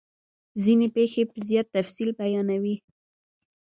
ځیني پیښې په زیات تفصیل بیانوي.